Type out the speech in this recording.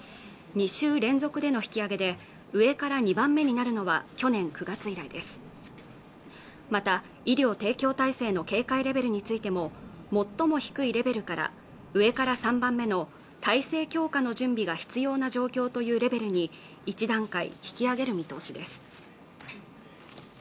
２週連続での引き上げで上から２番目になるのは去年９月以来ですまた医療提供体制の警戒レベルについても最も低いレベルから上から３番目の体制強化の準備が必要な状況というレベルに１段階引き上げる見通しです